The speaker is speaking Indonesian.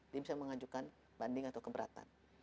dia bisa mengajukan banding atau keberatan